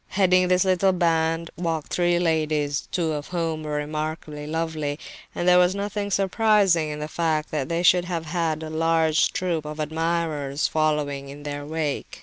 Heading this little band walked three ladies, two of whom were remarkably lovely; and there was nothing surprising in the fact that they should have had a large troop of admirers following in their wake.